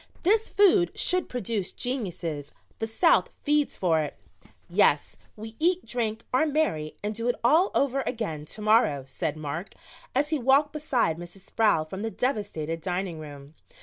"This food should produce geniuses. The South feeds for it." "Yes, we eat, drink, are merry and do it all over again to morrow," said Mark, as he walked beside Mrs. Sproul from the devastated dining room.